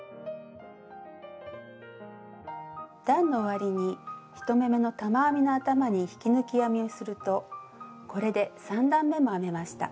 段の終わりに１目めの玉編みの頭に引き抜き編みをするとこれで３段めも編めました。